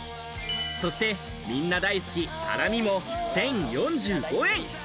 そして、みんな大好きハラミも１０４５円